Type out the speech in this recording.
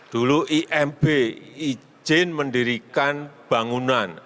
dulu imb izin mendirikan bangunan